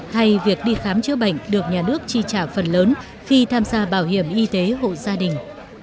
hay việc đi khám chữa bệnh được nhà nước chi trả phần lớn khi tham gia bảo hiểm y tế hộ gia đình